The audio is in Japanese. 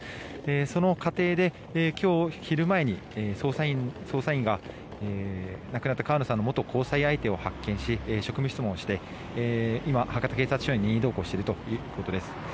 その過程で今日昼前に捜査員が亡くなった川野さんの元交際相手を発見し職務質問をして今、博多警察署に任意同行しているということです。